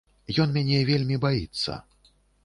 Ён мяне вельмі баіцца.